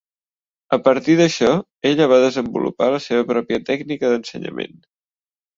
A partir d'això, ella va desenvolupar la seva pròpia tècnica d'ensenyament.